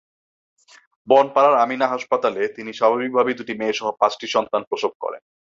বনপাড়ার আমিনা হাসপাতালে তিনি স্বাভাবিকভাবেই দুটি মেয়েসহ পাঁচটি সন্তান প্রসব করেন।